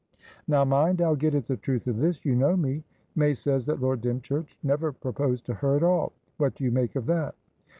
"Now mind! I'll get at the truth of this. You know me! May says that Lord Dymchurch never proposed to her at all. What do you make of that?"